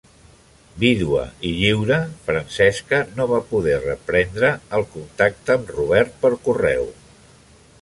Vídua i lliure, Francesca no va poder reprendre el contacte amb Robert per correu.